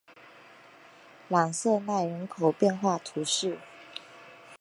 朗瑟奈人口变化图示